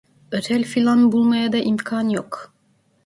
Otel filan bulmaya da imkan yok.